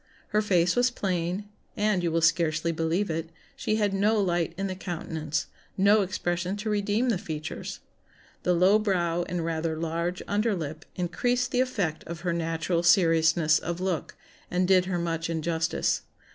Her face was plain, and (you will scarcely believe it) she had no light in the countenance, no expression to redeem the features. The low brow and rather large under lip increased the effect of her natural seriousness of look, and did her much injustice.